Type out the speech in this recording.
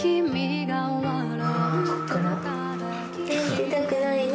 出たくないね。